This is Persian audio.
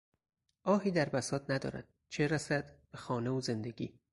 آهی در بساط ندارد، چه رسد به خانه و زندگی!